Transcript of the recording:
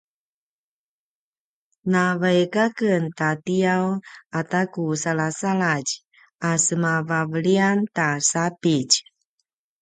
na vaik a ken tatiyaw ata ku salasaladj a sema vaveliyan ta sapitj